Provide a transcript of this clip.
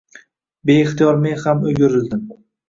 Beixtiyor men ham o`girildim